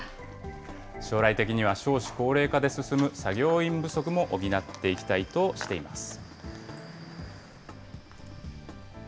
将来的には少子高齢化で進む作業員不足も補っていきたいとしています。